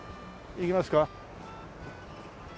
行きますか？